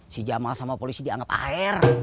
si jamal sama polisi dianggap ar